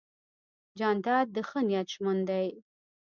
جانداد د ښه نیت ژمن دی.